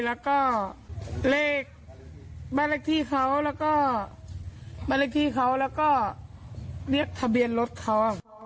แล้วก็เลขบริกฤษเขาแล้วก็บริกฤษเขาแล้วก็เรียกทะเบียนรถเขา